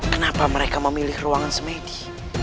kenapa mereka memilih ruangan semegi